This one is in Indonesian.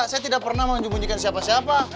saya tidak pernah menyembunyikan siapa siapa